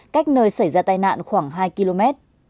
cách nơi xảy ra tai nạn khoảng hai km